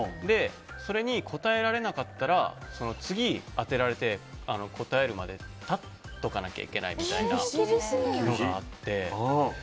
それに答えられなかったら次当てられて答えるまで立っておかないといけないみたいなのがあって。